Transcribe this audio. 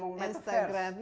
sekarang sudah meta